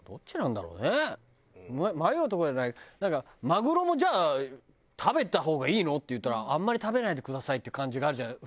マグロもじゃあ食べた方がいいの？っていったらあんまり食べないでくださいっていう感じがあるじゃない？